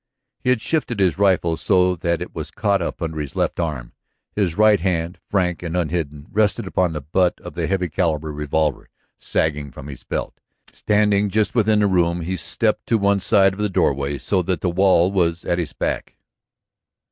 He had shifted his rifle so that it was caught up under his left arm. His right hand, frank and unhidden, rested upon the butt of the heavy caliber revolver sagging from his belt. Standing just within the room, he had stepped to one side of the doorway so that the wall was at his back.